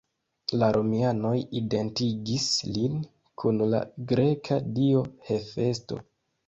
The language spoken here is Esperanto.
La romianoj identigis lin kun la greka dio Hefesto.